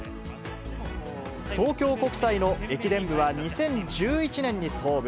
東京国際の駅伝部は、２０１１年に創部。